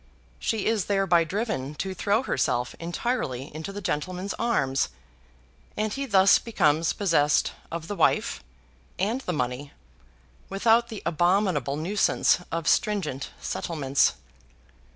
She is thereby driven to throw herself entirely into the gentleman's arms, and he thus becomes possessed of the wife and the money without the abominable nuisance of stringent settlements.